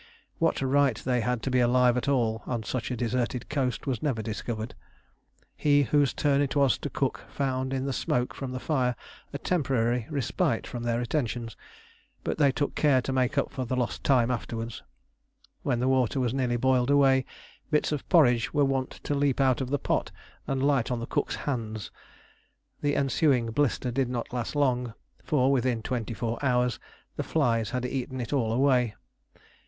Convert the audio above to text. What right they had to be alive at all on such a deserted coast was never discovered. He whose turn it was to cook found in the smoke from the fire a temporary respite from their attentions; but they took care to make up for lost time afterwards. When the water was nearly boiled away, bits of porridge were wont to leap out of the pot and light on the cook's hands. The ensuing blister did not last long, for within twenty four hours the flies had eaten it all away.